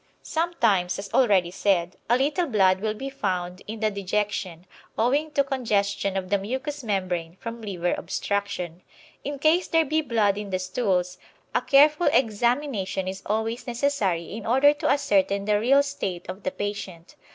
Sometimes, as already said, a little blood will be found in the dejection, owing to congestion of the mucous membrane from liver obstruction. In case there be blood in the stools, a careful examination is always necessary in order to ascertain the real state of the patient.